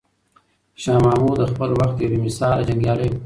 شاه محمود د خپل وخت یو بې مثاله جنګیالی و.